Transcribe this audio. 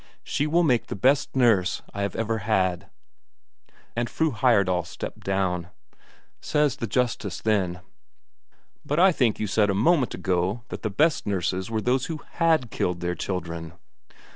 She will make the best nurse I have ever had." And Fru Heyerdahl stepped down. Says the justice then: "But I think you said a moment ago that the best nurses were those who had killed their children?"